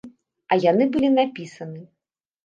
А яны былі напісаны.